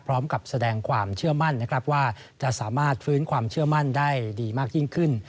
พร้อมกับแสดงความเชื่อมั่นนะครับว่าจะสามารถฟื้นความเชื่อมั่นได้ดีมากยิ่งขึ้น